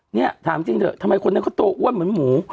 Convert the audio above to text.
เนี่ยถามจริงเถอะทำไมคนนั้นเขาตัวอ้วนเหมือนหมู